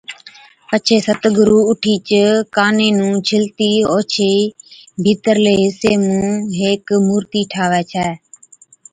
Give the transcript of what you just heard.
پڇي ست گُرُو اُٺِيچ ڪاني نُون ڇلتِي اوڇي ڀِيترلَي حصي مُون ھيڪ مُورتِي ٺاھوَي ڇَي